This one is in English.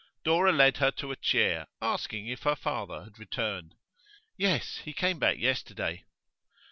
Dora led her to a chair, asking if her father had returned. 'Yes, he came back yesterday.